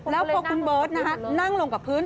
แล้วพอคุณเบิร์ตนั่งลงกับพื้น